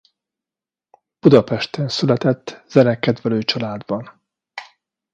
Budapesten született zenekedvelő családban.